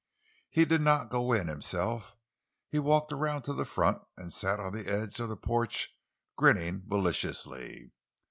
He did not go in, himself; he walked around to the front and sat on the edge of the porch, grinning maliciously.